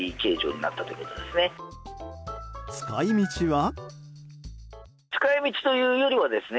使い道は？